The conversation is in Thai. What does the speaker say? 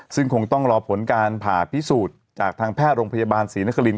ซึ่งคงต้องรอผลการผ่าพิสูจน์จากทางแพทย์โรงพยาบาลศรีนครินท